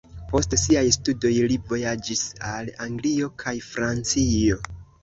Post siaj studoj, li vojaĝis al Anglio kaj Francio.